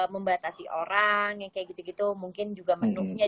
membatasi orang yang kayak gitu gitu mungkin juga menunya